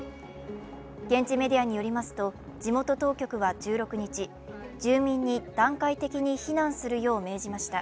現地メディアによりますと、地元当局は１６日、住民に段階的に避難するよう命じました。